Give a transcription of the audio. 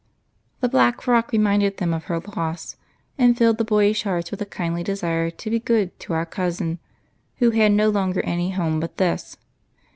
The black frock reminded them of her loss, and filled the boyish hearts with a kindly desire to be good to " our cousin," who had no longer any honie but this.